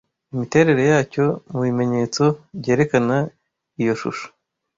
Imiterere yacyo mubimenyetso byerekana iyo shusho.